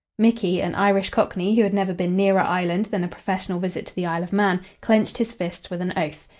Micky, an Irish Cockney who had never been nearer Ireland than a professional visit to the Isle of Man, clenched his fists with an oath.